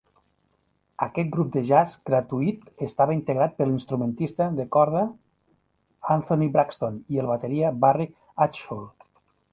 Aquest grup de jazz gratuït estava integrat pel instrumentista de corda Anthony Braxton i el bateria Barry Altschul.